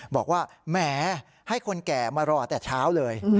บอกว่าแหมให้คนแก่มารอแต่เช้าเลย